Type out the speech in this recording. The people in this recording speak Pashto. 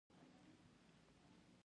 د زیاتو سګرټو څکولو ته مې مخه کړه.